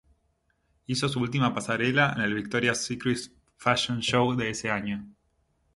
Hizo su última pasarela en el Victoria's Secret Fashion Show de ese año.